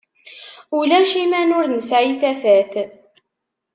Ulac iman ur nesɛi tafat.